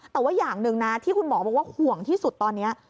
แต่ว่าอย่างหนึ่งนะที่คุณหมอบอกว่าห่วงที่สุดตอนนี้